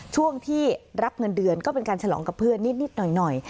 ช่วงที่รับเงินเดือนก็เป็นการฉลองกับเพื่อนนิดหน่อย